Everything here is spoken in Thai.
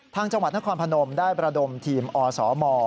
จังหวัดนครพนมได้ประดมทีมอสม